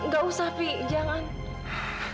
gak usah fi jangan